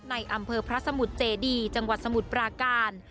ในอำเภอพระสมุทรเจดีจังหวัดสมุทรปราการ